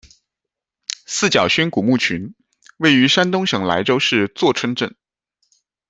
四角埠古墓群，位于山东省莱州市柞村镇。